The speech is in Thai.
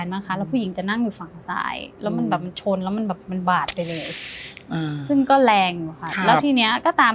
จนกระทั่งผู้หญิงออกมาเริ่มย้ายขึ้นย้ายด้วยแล้วตัดถังเรียบร้อยแล้ว